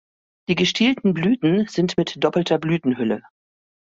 Die gestielten Blüten sind mit doppelter Blütenhülle.